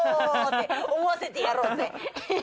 って思わせてやろうぜ。